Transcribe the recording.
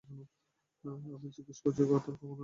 আমি জিজ্ঞেস করেছি, তারা কখন এখানে আসলো?